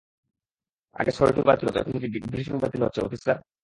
আগে সর্টি বাতিল হত, এখন ব্রিফিং বাতিল হচ্ছে - অফিসার!